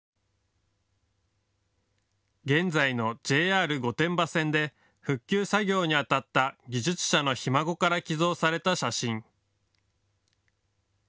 現在のＪＲ御殿場線で復旧作業にあたった技術者のひ孫から寄贈された写真。